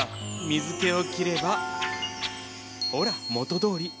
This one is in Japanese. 水けを切ればほら元どおり。